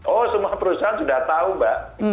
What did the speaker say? oh semua perusahaan sudah tahu mbak